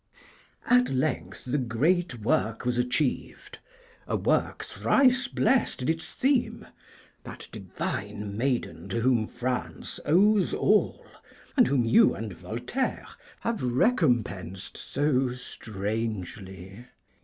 At length the great work was achieved, a work thrice blessed in its theme, that divine Maiden to whom France owes all, and whom you and Voltaire have recompensed so strangely.